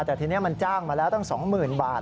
แต่ทีนี้มันจ้างมาแล้วตั้ง๒๐๐๐บาท